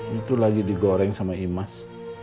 itu lagi digoreng sama imas